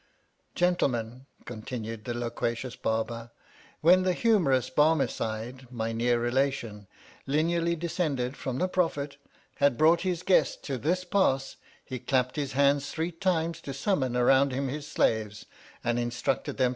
Gentlemen (continued the loquacious Bar ber), when the humourous Barmecide, my near relation lineally descended from the Prophet, had brought his guest to this pass, he clapped his hands three times to summon around him his slaves, and instructed them 316 HOUSEHOLD WORDS.